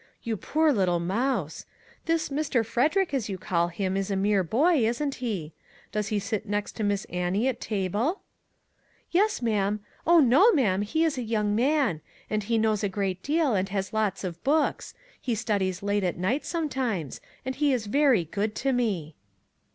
You poor little mouse! This 'Mr. Frederick/ as you call him, is a mere boy, isn't he ? Does he sit next to Miss Annie at table ?"" Yes, ma'am ; oh, no, ma'am, he is a young man; and he knows a great deal, and has lots of books; he studies late at night sometimes; and he is very good to me."